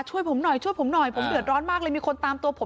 ช่วยผมหน่อยช่วยผมหน่อยผมเดือดร้อนมากเลยมีคนตามตัวผม